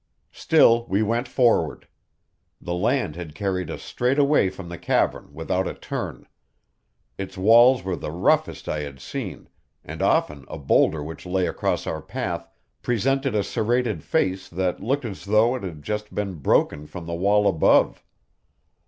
Still we went forward. The land had carried us straight away from the cavern, without a turn. Its walls were the roughest I had seen, and often a boulder which lay across our path presented a serrated face that looked as though it had but just been broken from the wall above.